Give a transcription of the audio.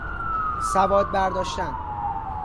سواد برداشتن